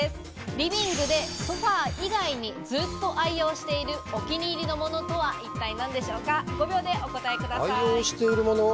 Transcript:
リビングでソファ以外にずっと愛用しているお気に入りのものとは一体何でしょうか、５秒でお答えください。